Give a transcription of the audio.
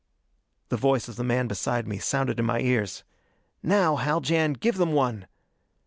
The voice of the man beside me sounded in my ears: "Now, Haljan, give them one!"